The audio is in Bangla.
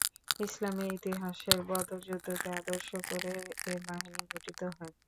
ইসলামের ইতিহাসের বদর যুদ্ধকে আদর্শ করে এ বাহিনী গঠিত হয়।